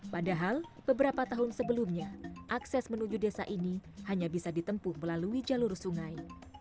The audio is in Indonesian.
padahal beberapa tahun sebelumnya akses menuju desa ini hanya bisa ditempuh melalui jalur sungai